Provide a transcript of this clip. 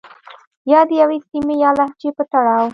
يا د يوې سيمې يا لهجې په تړاو